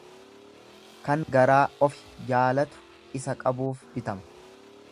Kan garaa ofi jaalatu isa qabuuf bitama.